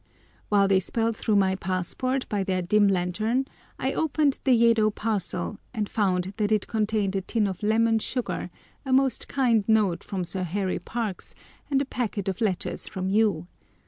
While they spelt through my passport by their dim lantern I opened the Yedo parcel, and found that it contained a tin of lemon sugar, a most kind note from Sir Harry Parkes, and a packet of letters from you.